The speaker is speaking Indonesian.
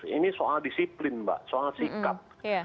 ini soal disiplin mbak soal sikap